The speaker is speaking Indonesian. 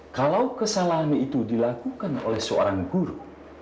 kalau kesalahan itu dilakukan oleh seorang guru